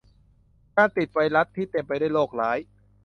การติดไวรัสที่เต็มไปด้วยโรคร้าย